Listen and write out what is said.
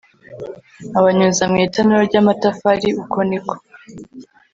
abanyuza mu itanura ry amatafari Uko ni ko